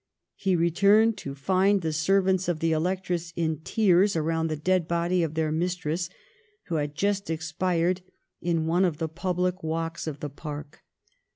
He returned to find the servants of the Electress in tears around the dead body of their mistress, who had just expired in one of the pubhc walks of the park.